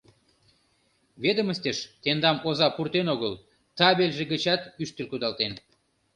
Ведомостьыш тендам оза пуртен огыл, табельже гычат ӱштыл кудалтен.